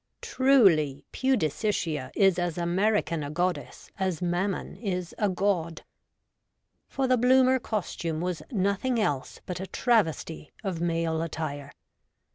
Truly Pudicitia is as American a goddess as Mammon is a god ! For the Bloomer costume was nothing else but a travesty of male attire.